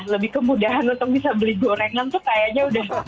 lebih kemudahan untuk bisa beli gorengan tuh kayaknya udah